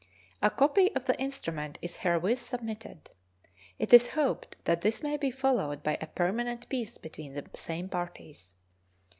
A copy of the instrument is herewith submitted. It is hoped that this may be followed by a permanent peace between the same parties.